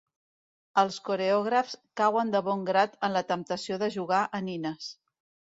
Els coreògrafs cauen de bon grat en la temptació de jugar a nines.